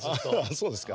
そうですか。